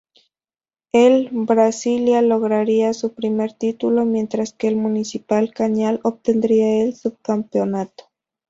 El Brasilia lograría su primer título, mientras que el Municipal Cañar obtendría el subcampeonato.